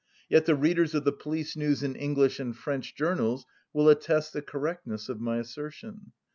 Yet the readers of the police news in English and French journals will attest the correctness of my assertion.